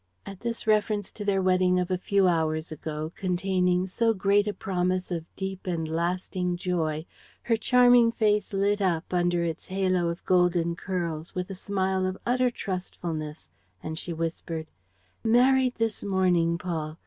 At this reference to their wedding of a few hours ago, containing so great a promise of deep and lasting joy, her charming face lit up, under its halo of golden curls, with a smile of utter trustfulness; and she whispered: "Married this morning, Paul!